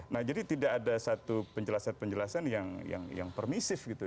nah jadi tidak ada satu penjelasan penjelasan yang permisif gitu